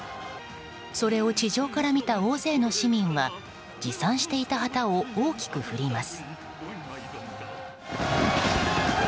それを地上から見た大勢の市民は持参していた旗を大きく振ります。